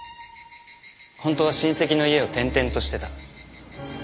本当は親戚の家を転々としてた。